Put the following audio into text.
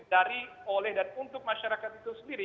dari oleh dan untuk masyarakat itu sendiri